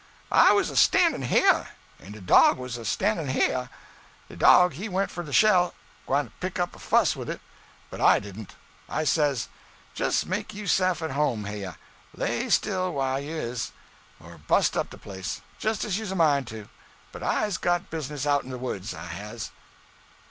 'I was a stannin' heah, an' de dog was a stannin' heah; de dog he went for de shell, gwine to pick a fuss wid it; but I didn't; I says, "Jes' make you'seff at home heah; lay still whah you is, or bust up de place, jes' as you's a mind to, but I's got business out in de woods, I has!"'